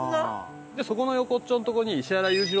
でそこの横っちょのとこに石原裕次郎